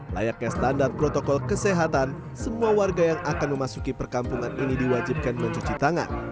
layaknya standar protokol kesehatan semua warga yang akan memasuki perkampungan ini diwajibkan mencuci tangan